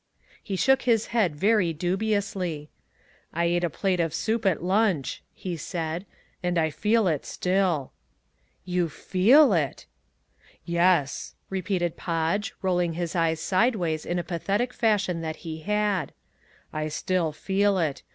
He shook his head very dubiously. "I ate a plate of soup at lunch," he said, "and I feel it still." "You FEEL it!" "Yes," repeated Podge, rolling his eyes sideways in a pathetic fashion that he had, "I still feel it.